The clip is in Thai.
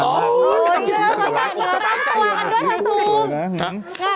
โอ้ยเยอะต้องต่อมากันด้วยท่านตูม